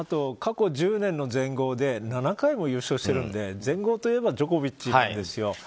過去１０年の全豪で７回も優勝してるので全豪オープンといえばジョコビッチなんですよ。